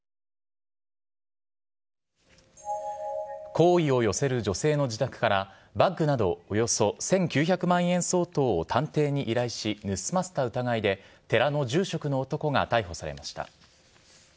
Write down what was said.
好意を寄せる女性の自宅からバッグなどおよそ１９００万円相当を探偵に依頼し盗ませた疑いで、寺の住職の男が逮捕されました。